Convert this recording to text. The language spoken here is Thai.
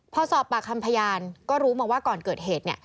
พอสอบปากคำพยานก็รู้มาว่าก่อนเกิดเหตุ